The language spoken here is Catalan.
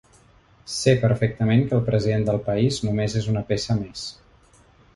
Ser perfectament que el president del país només és una peça més.